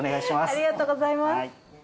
ありがとうございます。